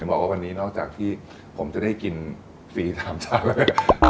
ถึงบอกว่าวันนี้นอกจากที่ผมจะได้กินฟรีทำชาติ